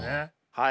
はい。